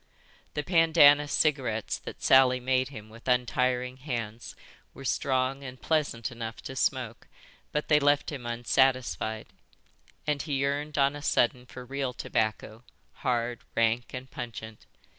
'" "The pandanus cigarettes that Sally made him with untiring hands were strong and pleasant enough to smoke, but they left him unsatisfied; and he yearned on a sudden for real tobacco, hard, rank, and pungent.